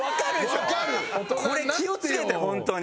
これ気をつけてホントに。